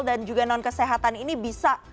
dan juga non kesehatan ini bisa